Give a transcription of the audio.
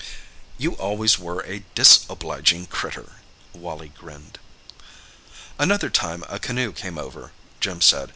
"You always were a disobliging critter," Wally grinned. "Another time a canoe came over," Jim said.